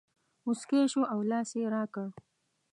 مسکی شو او لاس یې راکړ.